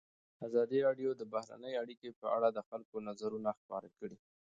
ازادي راډیو د بهرنۍ اړیکې په اړه د خلکو نظرونه خپاره کړي.